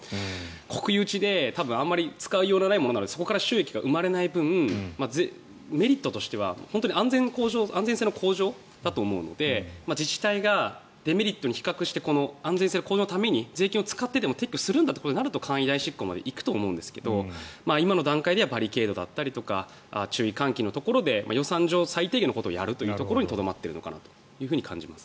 国有地で多分あまり使いようのないものなのでそこから収益が生まれない分メリットとしては本当に安全性の向上だと思うので自治体がデメリットに比較して安全性向上のために税金を使ってでも撤去するとなれば簡易代執行まで行くと思うんですが今の段階ではバリケードだったりとか注意喚起のところで予算上最低限のことをやるところにとどまっているのかなというふうに感じます。